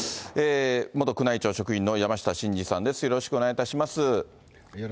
元宮内庁職員の山下晋司さんです。